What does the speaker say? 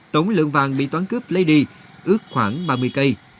tổng lượng vàng bị toán cướp lady ước khoảng ba mươi cây